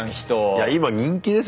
いや今人気ですよ。